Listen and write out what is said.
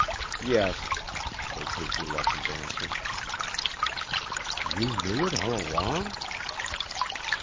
"Yes," was his reluctant answer. "You knew it all along?"